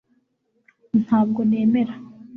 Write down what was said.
ntabwo nemera